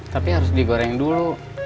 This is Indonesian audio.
tapi harus digoreng dulu